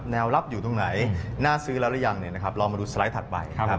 ลับอยู่ตรงไหนน่าซื้อแล้วหรือยังเรามาดูสไลด์ถัดไป